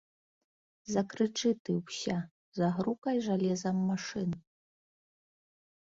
Закрычы ты ўся, загрукай жалезам машын!